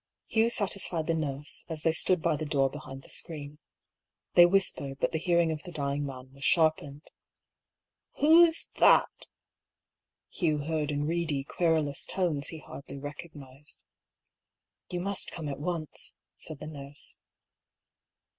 Hugh satisfied the nurse, as they stood by the door behind the screen. They whispered, but the hearing of the dying man was sharpened. "Who's — that?" Hugh heard, in reedy, querulous tones he hardly recognised. " You must come at once," said the nurse.